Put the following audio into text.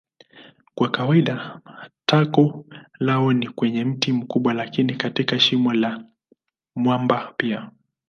Kwa kawaida tago lao ni kwenye mti mkubwa lakini katika shimo la mwamba pia.